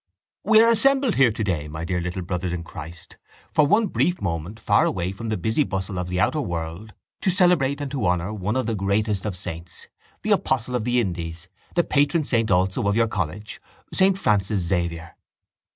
—We are assembled here today, my dear little brothers in Christ, for one brief moment far away from the busy bustle of the outer world to celebrate and to honour one of the greatest of saints, the apostle of the Indies, the patron saint also of your college, saint Francis Xavier.